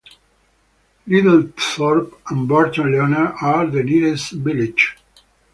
Littlethorpe and Burton Leonard are the nearest villages.